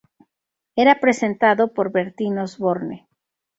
Era presentado por Bertín Osborne.